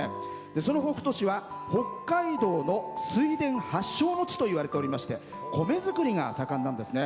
その北斗市は北海道の水田発祥の地といわれておりまして米作りが盛んなんですね。